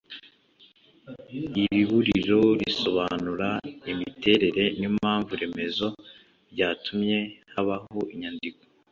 iriburiro risobanura imiterere n'impamvu remezo byatumye habaho inyandiko